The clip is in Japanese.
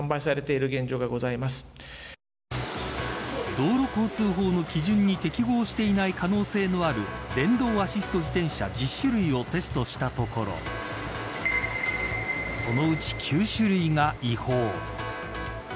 道路交通法の基準に適合していない可能性のある電動アシスト自転車１０種類をテストしたところそのうち９種類が違法。